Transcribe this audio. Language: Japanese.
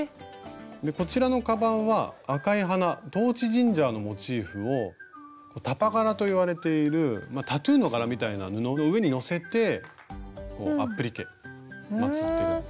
こちらのかばんは赤い花トーチジンジャーのモチーフをタパ柄といわれているタトゥーの柄みたいな布の上にのせてアップリケまつってる。